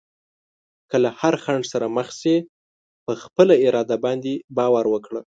که له هر خنډ سره مخ شې، په خپل اراده باندې باور وکړه.